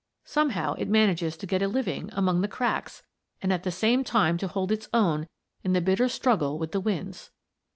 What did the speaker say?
Somehow it manages to get a living among the cracks and at the same time to hold its own in the bitter struggle with the winds.